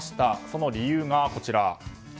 その理由がこちら。